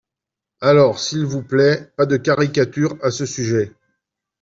Alors, s’il vous plaît, pas de caricature à ce sujet.